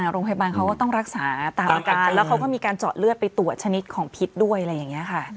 โรงพยาบาลเขาก็ต้องรักษาตามอาการแล้วเขาก็มีการเจาะเลือดไปตรวจชนิดของพิษด้วยอะไรอย่างนี้ค่ะ